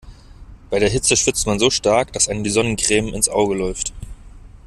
Bei der Hitze schwitzt man so stark, dass einem die Sonnencreme ins Auge läuft.